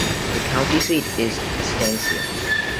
The county seat is Estancia.